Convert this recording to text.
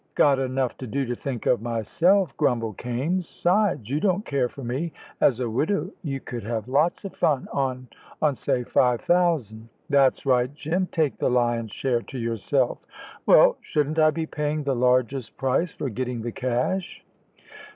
"Got enough to do to think of myself," grumbled Kaimes; "'sides, you don't care for me. As a widow you could have lots of fun on on, say five thousand." "That's right, Jim, take the lion's share to yourself." "Well, shouldn't I be paying the largest price for getting the cash?"